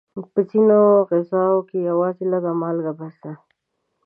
په ځینو غذاوو کې یوازې لږه مالګه بس ده.